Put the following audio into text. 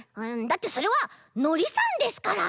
だってそれはのりさんですから！